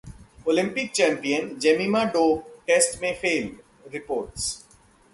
Olympic champion Jemima dope test में fail: reports